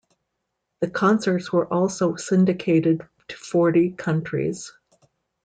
The concerts were also syndicated to forty countries.